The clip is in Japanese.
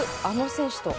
あの選手？